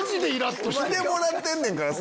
来てもらってんねんから。